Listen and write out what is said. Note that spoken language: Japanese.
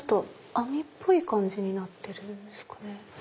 網っぽい感じになってるんですかね。